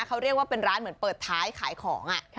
เขาเรียกว่าเป็นร้านเหมือนเปิดท้ายขายของ